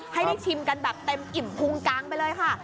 ให้ได้ชิมกันแบบเต็มอิ่มพุงกางไปเลยค่ะ